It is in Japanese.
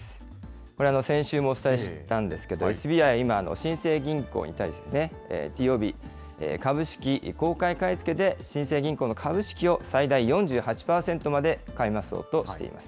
これは先週もお伝えしたんですけど、ＳＢＩ、今新生銀行に対して、ＴＯＢ・株式公開買い付けで新生銀行の株式を最大４８％まで買い増そうとしています。